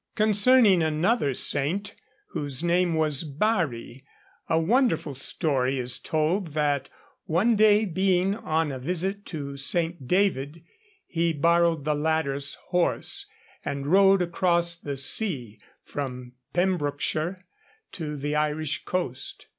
Concerning another saint whose name was Barri, a wonderful story is told that one day being on a visit to St. David he borrowed the latter's horse and rode across the sea from Pembrokeshire to the Irish coast.